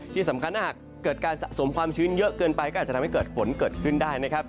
ที่สำคัญถ้าหากเกิดการสะสมความชื้นเยอะเกินไปก็อาจจะทำให้เกิดฝนเกิดขึ้นได้นะครับ